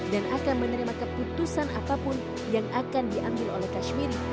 dan akan menerima keputusan apapun yang akan diambil oleh kashmiri